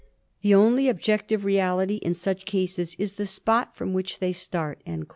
The only objective reality in such cases is the spot from which they start."